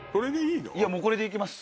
いやもうこれで行きます。